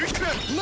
何？